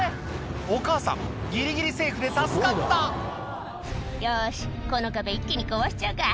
お母さんギリギリセーフで助かった「よしこの壁一気に壊しちゃうか」